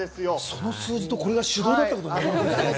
その数字と、これが手動だったことに。